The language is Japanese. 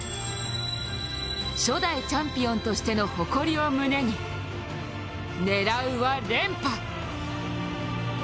初代チャンピオンとしての誇りを胸に狙うは連覇。